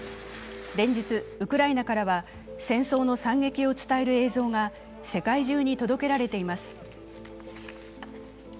連日、ウクライナからは戦争の惨劇を伝える映像が世界中に届けられています。